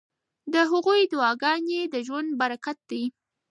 د هغوی دعاګانې د ژوند برکت دی.